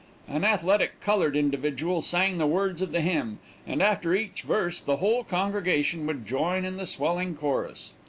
An athletic colored individual sang the words of the hymn, and, after each verse, the whole congregation would join in the swelling chorus.